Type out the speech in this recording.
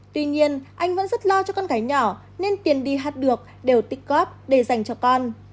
tuy nhiên anh vẫn rất lo cho con gái nhỏ nên tiền đi hát được đều tích cóp để dành cho con